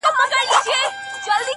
o د مسجد لوري، د مندر او کلیسا لوري.